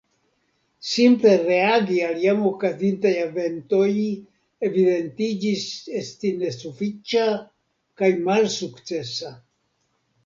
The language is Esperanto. Simple reagi al jam okazintaj eventoj evidentiĝis esti nesufiĉa kaj malsukcesa.